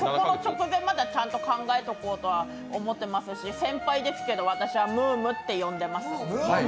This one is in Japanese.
ちゃんと考えておこうと思ってますし、先輩ですけど私はムームって呼んでます。